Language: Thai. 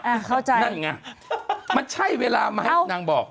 อ่าเข้าใจนั่นไงมันใช่เวลาไหมนางบอก